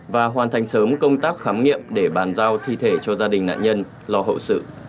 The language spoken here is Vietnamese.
và hoàn thành sớm công tác khám nghiệm để bàn giao thi thể cho gia đình nạn nhân lo hậu sự